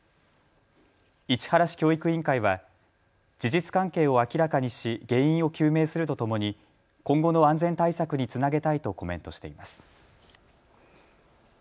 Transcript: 市原市教育委員会は事実関係を明らかにし原因を究明するとともに今後の安全対策につなげたいとコメントしています。